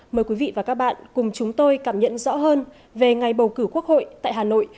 mời quý vị và các bạn cùng chúng tôi cảm nhận rõ hơn về ngày bầu cử quốc hội tại hà nội